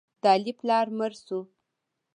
د علي پلار مړ شو.